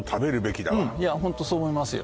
ホントそう思いますよ